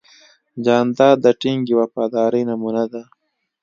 جانداد د ټینګې وفادارۍ نمونه ده.